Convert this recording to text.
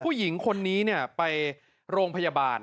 ผู้หญิงคนนี้ไปโรงพยาบาล